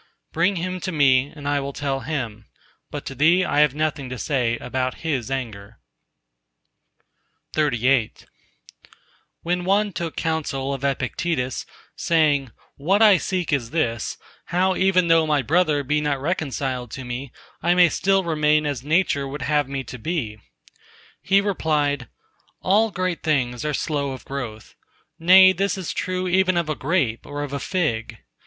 Bring him to me, and I will tell him. But to thee I have nothing to say about his anger. XXXIX When one took counsel of Epictetus, saying, "What I seek is this, how even though my brother be not reconciled to me, I may still remain as Nature would have me to be," he replied: "All great things are slow of growth; nay, this is true even of a grape or of a fig.